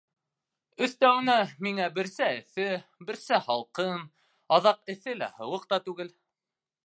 Өҫтәүенә, миңә берсә эҫе, берсә һалҡын, аҙаҡ эҫе лә, һыуыҡ та түгел.